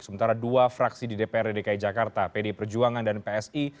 sementara dua fraksi di dprd dki jakarta pd perjuangan dan psi